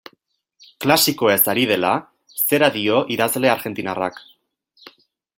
Klasikoez ari dela, zera dio idazle argentinarrak.